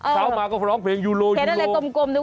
เช้ามาก็ร้องเพลงยูโลยูโล